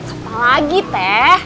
apa lagi teh